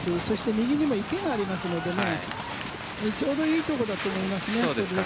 右にも池がありますのでちょうどいい所だと思いますね。